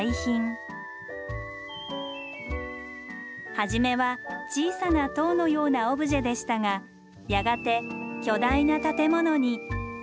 初めは小さな塔のようなオブジェでしたがやがて巨大な建物に。